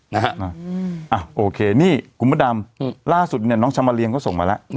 นะฮะอ่าโอเคนี่กุมดำอืมล่าสุดเนี้ยน้องชะมาเรียงก็ส่งมาแล้ว